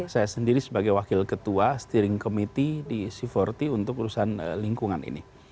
saya sendiri sebagai wakil ketua steering committee di c empat puluh untuk urusan lingkungan ini